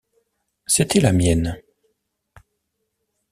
C’était la mienne.